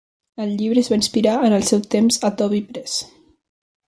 El llibre es va inspirar en el seu temps a Toby Press.